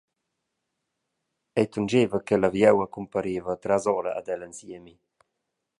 Ei tunscheva che la vieua cumpareva trasora ad el en siemi.